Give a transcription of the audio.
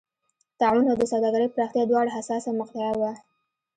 طاعون او د سوداګرۍ پراختیا دواړه حساسه مقطعه وه.